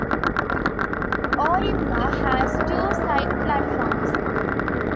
Ourimbah has two side platforms.